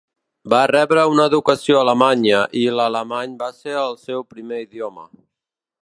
Va rebre una educació alemanya, i l'alemany va ser el seu primer idioma.